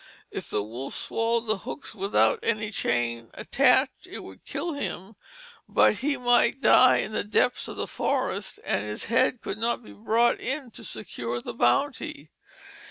If the wolf swallowed the hooks without any chain attached, it would kill him; but he might die in the depths of the forest and his head could not be brought in to secure the bounty.